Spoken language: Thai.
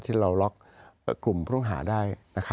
เกราะกลุ่มผู้หาได้